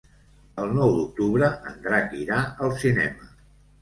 El nou d'octubre en Drac irà al cinema.